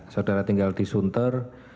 saudara tinggal di sunter